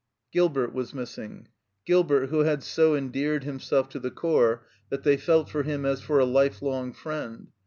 Gilbert was missing Gilbert, who had so en deared himself to the corps that they felt for him as for a lifelong friend.